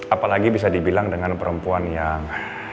apalagi bisa dibilang dengan perempuan yang